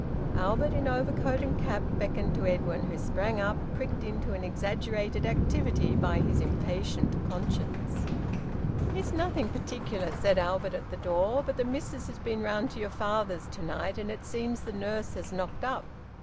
Albert, in overcoat and cap, beckoned to Edwin, who sprang up, pricked into an exaggerated activity by his impatient conscience. "It's nothing particular," said Albert at the door. "But the missus has been round to your father's to night, and it seems the nurse has knocked up.